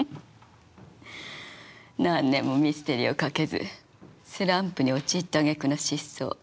何年もミステリーを書けずスランプに陥ったあげくの失踪。